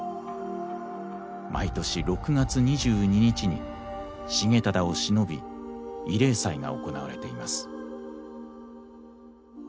毎年６月２２日に重忠をしのび慰霊祭が行われています。